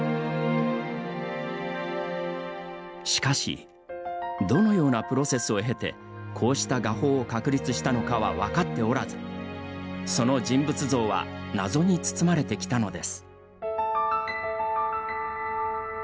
しかしどのようなプロセスを経てこうした画法を確立したのかは分かっておらずその人物像は謎に包まれてきたのです。